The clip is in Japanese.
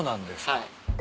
はい。